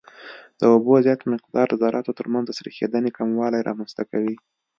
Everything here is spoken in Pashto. د اوبو زیات مقدار د ذراتو ترمنځ د سریښېدنې کموالی رامنځته کوي